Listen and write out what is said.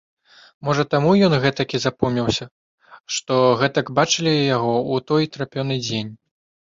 Можа, таму ён гэтакі запомніўся, што гэтак бачылі яго ў той утрапёны дзень.